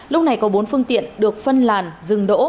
lúc này có bốn phương tiện được phân làn dừng đỗ